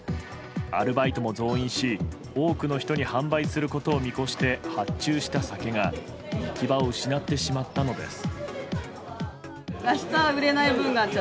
アルバイトも増員し多くの人に販売することを見越して発注した酒が行き場を失ってしまったのです。